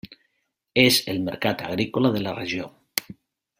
És el mercat agrícola de la regió.